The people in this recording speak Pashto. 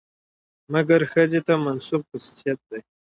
مکر ښځې ته منسوب خصوصيت دى.